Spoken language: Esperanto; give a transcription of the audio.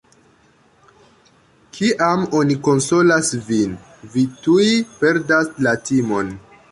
Kiam oni konsolas vin, vi tuj perdas la timon.